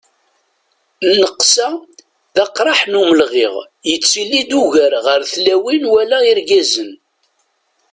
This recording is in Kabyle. Nnaqsa d aqraḥ n umelɣiɣ, yettili-d ugar ɣer tlawin wala irgazen.